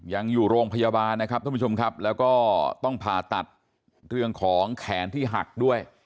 ยังอยู่โรงพยาบาลนะครับท่านผู้ชมครับแล้วก็ต้องผ่าตัดเรื่องของแขนที่หักด้วย